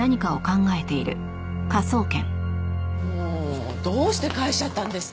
もうどうして帰しちゃったんですか？